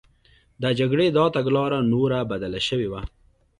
د جګړې دا تګلاره نوره بدله شوې وه